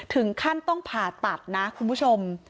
ถึงขั้นต้องผ่าตัดนะคุณผู้ชม